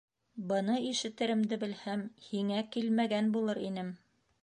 Быны ишетеремде белһәм, һиңә килмәгән булыр инем!